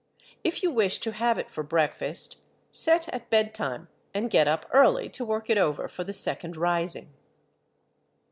If you wish to have it for breakfast, set at bedtime, and get up early to work it over for the second rising.